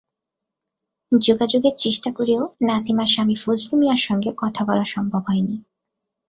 যোগাযোগের চেষ্টা করেও নাসিমার স্বামী ফজলু মিয়ার সঙ্গে কথা বলা সম্ভব হয়নি।